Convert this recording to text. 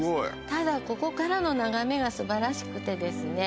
ただここからの眺めが素晴らしくてですね